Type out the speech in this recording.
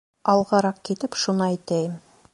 Алғараҡ китеп шуны әйтәйем.